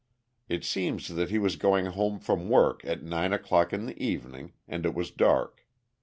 It seems that he was going home from work at nine o'clock in the evening, and it was dark.